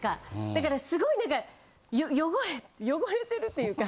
だからすごいなんか汚れ汚れてるっていうか。